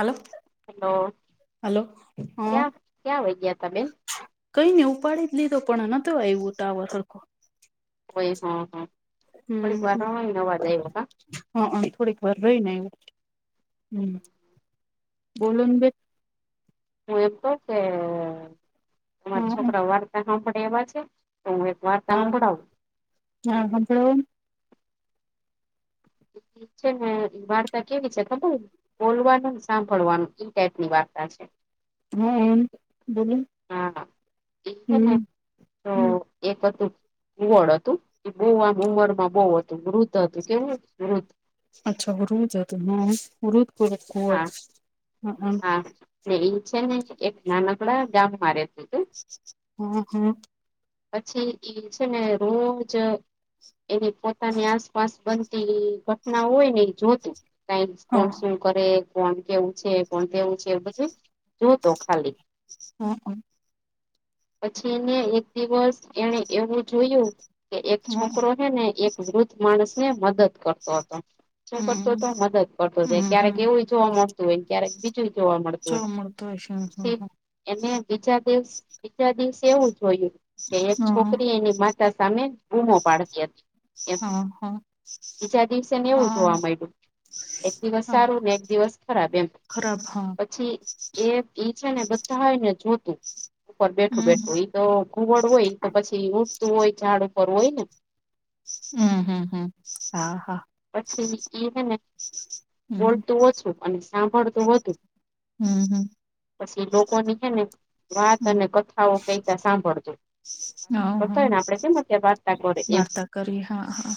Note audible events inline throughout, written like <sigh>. Hello. Hello hello, હા. ક્યાં ક્યાં વહી ગયા તા બેન કઈ નને ઉપાડી જ લીધો, પણ નતો આવ્યું તાવ સરડકો. હોય. હા, હા, થોડીક વારવાય નવાજ આવ હ. હા, હ, થોડીક વાર રહીને એવું. હમ, બોલો બેન. હું એમ કહે કે, તમારા હા છોકરા વાર્તા સાંભળે એવા છે. તું એક વાર્તા હભળાવું. હા, હભળાવો ને. ઠીક છે ને, વાર્તા કેવી છે ખબર? બોલવાનું સાંભળવાનું ઈ ટાઈપ ની વાર્તા છે. હા બોલું, હા એ છે ને હમ, તો હમ. એક હતું કુવળ હતું, એ બહુ આમ ઉંમરમાં બહુ હતું, મૃત હતું, કેવું મૃત? અચ્છા, હરુદ હત હમરુદપુર હા કુવત <unintelligible> હા છે, એક નાનકડા ગામમાં રહેતું હતું. હમ, હમ. પછી એ છે ને રોજ એની પોતાની આસપાસ બનતી ઘટનાઓ હોય એ જોતું. કઈ કોણ હા શું કરે? કોણ કેવું છે? કોણ કેવું છે? એ બધું જોતો ખાલી હમહ પછી એને એક દિવસ એને એવું જોયું. કે એક હમ છોકરો હે ને એક માણસ ને મદદ કરતો તો, છ કરતો તો મદદ કરતો જાય હમ હમ ક્યારેક એવું જોવા મળતું હોય ક બીજુંય જોવા મળતું જો હોય. મળતો હશે હા એને બીજા દિવસ બીજા દિવસે એવું જોયું. કે એક હા છોકરી એની માતા સામે બૂમો પાડતી હતી. હા બીજા દિવસે ને એવું હા જોવા મળ્યું એક દિવસ હા સારું ને એક દિવસ ખરાબ એમ. ખરાબ હા. પછી એ એ છે ને બધા હોયને જોતું ઉપર બેઠું હમ બેઠું ઇ તો ઘુવડ હોય તો પછી ઊડતું હોય ઝાડ ઉપર હોય ને હમ હમ હમ હ હા પછી એહે ને હમ બોલતું ઓછું અને સાંભળ તુ વધુ. હમ હમ પછી લોકોની છે ને વાત અને કથાઓ કઈતા સાંભળતો. હા <unintelligible> હા આપડે કેમ ત્યારે વાર્તા કરે એમ વાર્તા કરી હા હા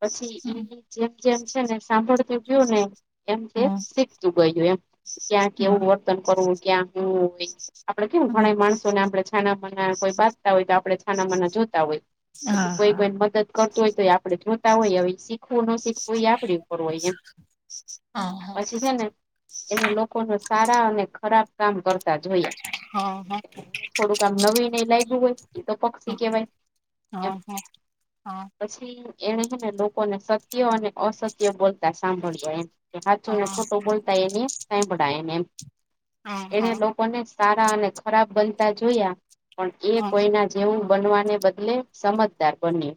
પછી એમને જેમ જેમ છેને સાંભળતો ગ્યો ને એમ એ હા સી <unintelligible> એમ ક્યાં હા કેવું વર્તન કરવું હોય ક્યાં હું કે હોય આપડે કેવું ભણાવું. માણસોને આપણે છાનામાંના કોઈ બાંજતા હોય તો આપણે છાનામાંના જોતા હોય. હા હા કોઈ હા કોઈને મદદ કરત તો આપડે જોતા હોય અવે શીખવું નો સ શીખવું એ આપડી ઉપર હાઈ એમ હા હા પછી છેને, એને લોકોનો સારા અને ખરાબ કામ કરતા જોયા. હા હા ને થોડુંક આમ નવીન એઈ લાયગુ હોય એતો પક્ષી કેવાય. એમ હ એમ હ પછી એને હેને લોકોને સત્ય અને અસત્ય બોલતા સાંભળજો એમ કે હાચો ને ખોટો બોલતા એને હાંયભળા એન એમ એને લો કોને સારા અને ખરાબ બનતા જોયા પણ એ કોઈના જ એવું બનવાને બદલે સમજદાર બન્યું.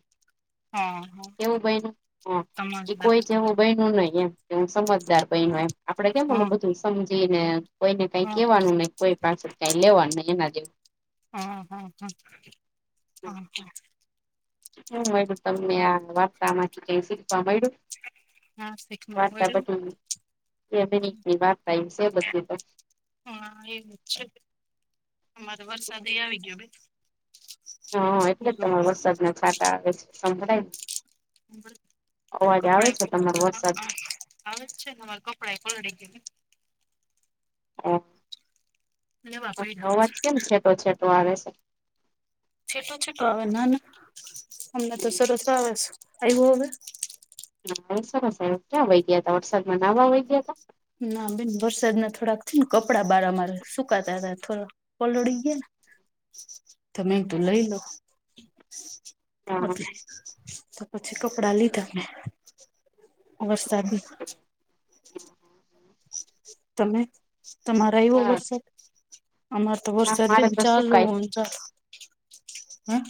હા હા હા એવું બઈ હા એ કોઈ જેવું. બઈનું નઈ એમ એ સમજદાર બઇનો એમ આપડે કેમ હા ઓલું બધું સમજી ને. કોઈને કઈ હા કેવાનું નઈ કોઈ પાસે કઈ લેવાનું એના જે હા હ હ હ હ હું મયડુ તમને આ વાર્તામાંથી કઈ શીખવા મૈડુ. હા શીખવા વાર્તા મળ્યું. બધી એવી રીતની વાર્તા એ છે બધી હા એવું જ છે અમારે વરસાદ એ આવી ગયો. હા એટલે જ તમાર વરસાદના છાંટા આવે છે સંભળાય <unintelligible> અવાજ આવે કપડાયે છે તમારો વરસાદ પલડી લેવા હ પડ્યા અવાજ કેમ છેટો છેટો આવે સે. છેટો છેટો આવે ના ના અમને તો સરસ આવેશ આયવો હવે. ના અવે સરસ આયો ક્યાં વહી ગયા હતા વરસાદમાં નાવા વઇ ગ્યા તા. ના બેન વરસાદ ના થોડાક છેન કપડાં બાર અમારે સુકાતા તા થો પલડી ગયા ને તો મેં કીધું લઈલો. તા હા ઓકે. તો પછી કપડા લીધા મેં. વરસાદી <inaudible> તમે તમારે આઈવો સારું. વરસાદ? અમાર તો હા, વરસાદ મારે બહેન તો સુકાય ચાલુન <unintelligible> હે? <inaudible>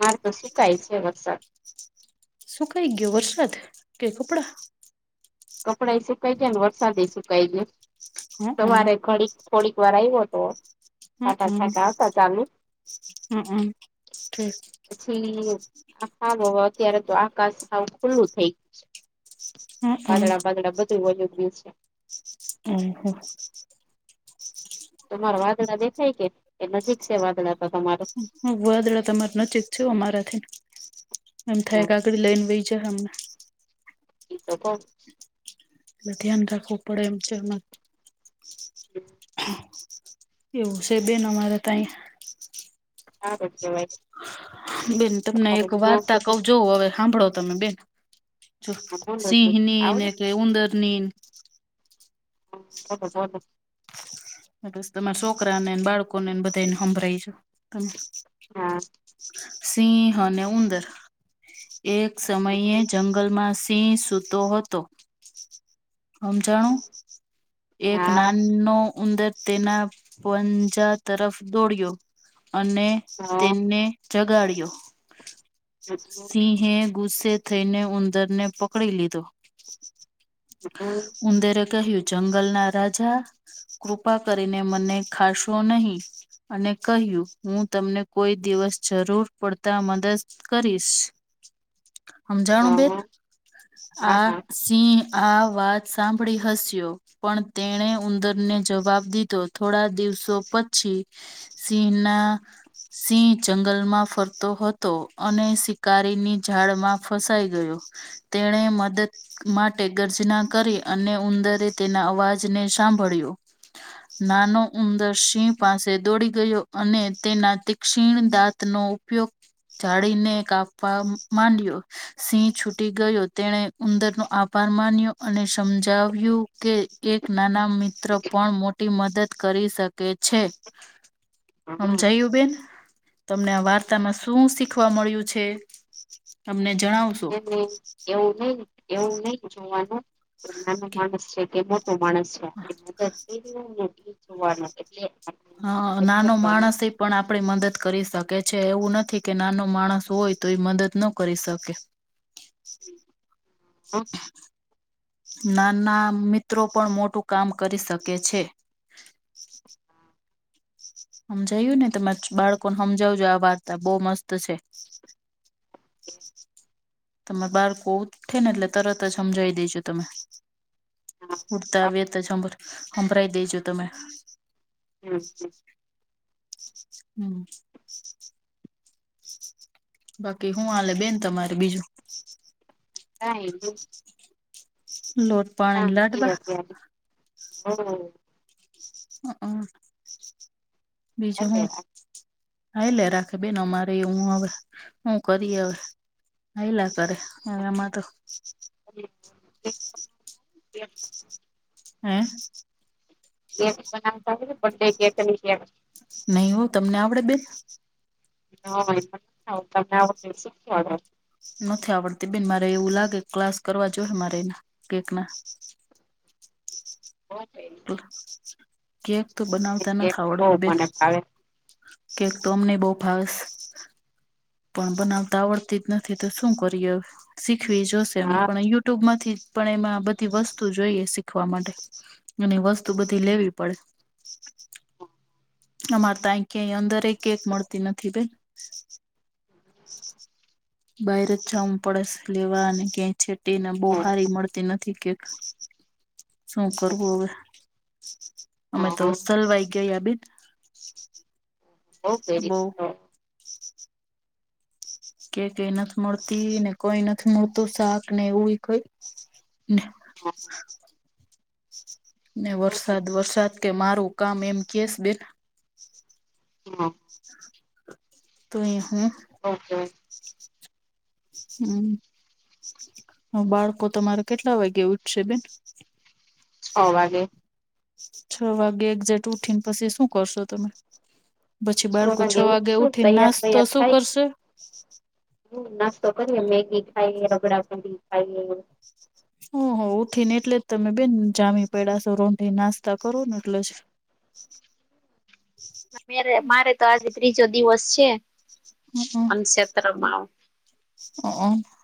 માર તો સુકાય છે વરસાદ. સુુકાઈ ગયો વરસાદ? કે કપડાં? કપડાંય સુકાઈ ગયા ને વરસાદેય સુકાઈ ગયો. હમ સવારે ઘડીક થોડીક વાર આઈવો તો, છાંટા-છાંટા હતા ચાલુ અહમ્મ ઠીક. પછી <unintelligible> હારુ હવે અત્યારે તો આકાશ હાવ ખુલ્લુ થઈ હમ વાદળા બાદળાં બધું વયું ગિયું છે. હમ્મ-હમ્મ. તમારે વાદળા દેખાય કે? એ નજીક છે વાદળા તો તમારો? હુ વાદળા તો અમારે નજીક છે હો અમારાથીન. એમ થાઈએ હમ કે આગળ લઈન વહી જાહે અમને. ઈ તો કઉંસ. એટલે ધ્યાન રાખવું પડે એમ છે એમાં. <inaudible> <inaudible> એવું સે બેન અમારે તો અહિયાં. <inaudible> હારું કહેવાય. બેન તમને એક ન્યા વાર્તા સુધી કઉં જોવ હવે. હાંભળો તમે બેન. જો બોલો જ સિંહની ને આવડે કે ઉંદરનીન. <inaudible> <unintelligible> તમારા છોકરા નેન બાળકોનેન બધાઈને હંભળાઈ જો તમે. હા સિંહ અને ઉંદર. એક હા સમયે જંગલમાં સિંહ સૂતો હતો. હમજાણું? એક નાન નો ઉંદર તેના પંજા તરફ દોડ્યો. અને હા તેમને જગાડ્યો. સિંહે ગુસ્સે થઈને ઉંદર ને પકડી લીધો. ઉંદરે કહ્યું, જંગલના રાજા કૃપા કરીને મને ખાશો નહીં. અને કહ્યું, હું તમને કોઈ દિવસ જરૂર પડતા મદસ કરીશ. હમજાણું બહેન? હા આ હા હા સિંહ આ વાત સાંભળી હસ્યો. પણ તેણે ઉંદરને જવાબ દીધો. થોડા દિવસો પછી સિંહના સિંહ જંગલમાં ફરતો હતો, અને શિકારીની ઝાડમાં ફસાઈ ગયો. તેણે મદદ માટ ટે ગર્જના કરી. અને ઉંદરે તેના અવાજને સાંભળ્યું. નાનો સિંહ પાસે દોડી ગયો. અને તેના તિક્ષીણ દાંતનો ઉપ પયોગ જાળીને કાપવા માંડ્યો સિંહ છૂટી ગયો તેને ઉંદરનો આપ પરારમાન્યું અને સમજાવ્યું કે એક નાના મિત્ર પણ મોટી મદદ કરી શક તે છે સમજયું બેન તમને આ વાર્તામાં શું શીખ વા મળ્યું છે અમને જણાવ. એમ અહીં એવું નહી એવું નહી જોવાનું નાનો માણસ છે કે મો ટો માણસ છે <unintelligible> મદદ જોવાનું એટલે આપણે હા મદદ નાનો કરવાની માણસ એ પણ આપડી મદદ કરી શકે છે એવું નથી કે નાનો માણસ હોય તો એ મદદ ન કરી શકે. હા <unintelligible> નાના મિત્રો પણ મોટું કામ કરી શકે છે. હમજાયું ને તમાર બાળકોને હમજાવજો આ વાર્તા બહુ મસ્ત છે. તમારે બાળકો છે ને એટલે તરત જ હમજાવી દેજો તમે. ઉડતા વત જભ હંબડાઈ દેજો તમે. હમ્મ, હમ્મ. હમ્મ. <unintelligible> બાકી હું હાલે બેન તમારે બીજું? હા ઈ હું લોટ પાણીની લાડવા? હો. હ અહ બીજું હું. હા એલે રાખ બેન અમારે હું હવે હું કરી હવે. હઈલા કરે હ એમાં તો. <unintelligible> હમ્મ. કેક બનાવતા આવડે હે બડે કેકની કેક જેમ. નહી હું તમને આવડે બેન? <unintelligible> તમને આવડતું હોય તો શીખવાડો. નથી આવડતી બેન મારે એવું લાગે ક્લાસ કરવા જોઈ મારે એના કેક ના. હ બેન. કેક તો બનાવતા નથ કેક બહુ આવડતી બેન. મને ભાવે કેક તો અમને બહુ ભાવે સ. પણ બનાવતા આવડતી જ નથી તો શું કરીએ શીખવી જોશે હા. પણ યુટ્યુબમાંથી પણ એમાં બધી વસ્તુ જોઈએ શીખવા માટે અને વસ્તુ બધી લેવી પડે. અમારે તઈ ક્યા અંદર કેક મળતી નથી બેન. બહાર જ જાઉં પડશે લેવા અને ક્યાંય. છેટીને બહુ હા હારી મળતી નથી કેક. શું કરવું હવે અમે તો સલવાઈ ગયા બેન. <unintelligible> બવ કયરી. બઉ કેકે એ નથી મળતી ને કઇ નથી મળતું શાક ને એવું કઈ. ને. ને વરસાદ વરસાદ કે મારું કામ એમ કેસ બેન હા. તો એ હું ઓકે. હમ. હ, બાળકો તમારા કેટલા વાગે ઉઠશે બેન? છ વાગે છ વાગે એક્ઝેકટ ઉઠીને, પછી શું કરશો તમે? પછી બાળકો છ વાગે ઉઠી, નાસ્તો તો શું કરશે? હ, નાસ્તો કરીએ, મેગી ખાઈ, રગડા પુરી ખાઈ. હ, હ ઉઠીને, એટલે જ તમે બેન જામી પડાશો, રોનઢે નાસ્તા કરો ને એટલે જ. મેરે મારે તો આજે ત્રીજો દિવસ છે, અનક્ષેત્ર માંઉ.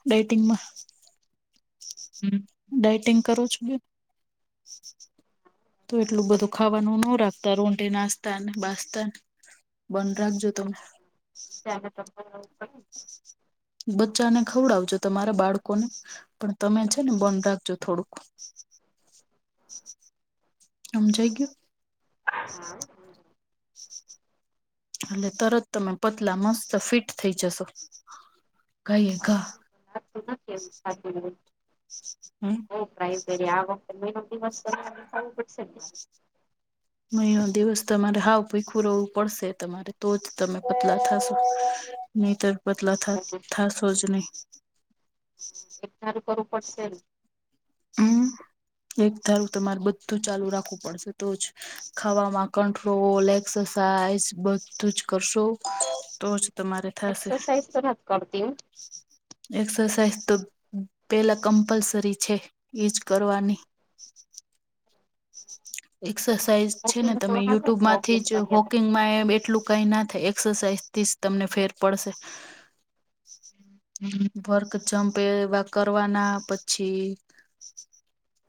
ડેટિંગમાં <unintelligible> હમ. ડાઇટિંગ કરો છો, તો એટલું બધું ખાવાનું ન રાખ તો રોનઢે નાસ્તા ને, બાસતાને બંધ રાખજો તમે. જાલ ત <unintelligible> બચ્ચાને ખવડાવજો, તમારા બાળકોને પણ તમે છે ને, બંધ રાખજો થોડુંક. <unintelligible> સમજાય ગયું. હા, હમ. એટલે તરત તમે પતલા મસ્ત ફિટ થઈ જશો. ઘાયે ઘા. ું કેું <unintelligible> હમ. બહુ ટ્રાય કરી, આ વખતે મહિનો દિવસ મહિનો દિવસ તમારે હાવ ભીખું રવું પડશે, તમારે તો જ તમે પતલા થશો. નહી તર પતલા થાસોજ નય <unintelligible> ચાલુ કરવું પડશે. હમ, એક ધારું તમારે બધું ચાલુ રાખવું પડશે, તો જ ખાવામાં કંટ્રોલ એક્સરસાઇઝ બધું જ કરશો તો. તમારે થશે. એક્સરસાઇઝ તો નથી કરતી હું એક્સરસાઇઝ તો પેલા કમ્પલસરી છે. એ જ કરવાની. એક્સરસાાઈઝ છે ને, વોકિંગ તો તમે હાલે યુટ્યુબ માંથી વોકિંગ જ કરીએ હોકિંગમાં એ એટલું. કઈ ના થાય, એક્સરસાઇઝ થી જ તમને ફેર પડશે. હમ. વર્ક જમપ એવા કરવાના પછી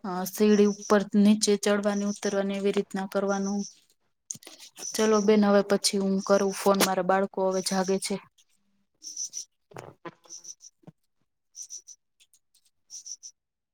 અ સીડી ઉપર નીચે ચડવાની ઉતરવાની એવી રીતના કરવાનું. ચલો બેન, હવે પછી હું કરું ફોન મારા બાળકો હવે જાગે છે. હમ. <unintelligible>